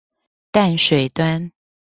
淡水端